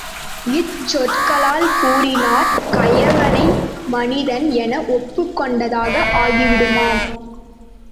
இச் சொற்களால் கூறினாற் கயவனை மனிதன் என ஒப்புக்கொண்டதாக ஆகிவிடுமாம்.